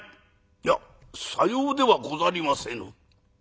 「いやさようではござりませぬ。